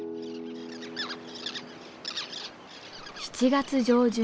７月上旬。